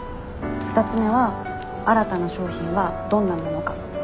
２つ目は「新たな商品はどんなものか」。